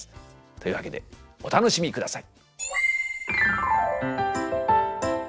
というわけでお楽しみください。